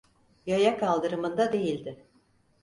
Yaya kaldırımında değildi.